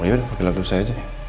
oh ya udah pakai laptop saya aja